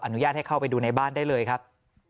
อนุญาตให้เข้าไปดูในบ้านได้เลยครับ